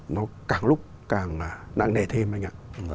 nó càng lúc càng nặng nề thêm anh ạ